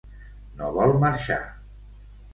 No vol marxar.